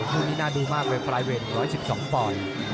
คู่นี้น่าดูมากเลยปลายเวท๑๑๒ปอนด์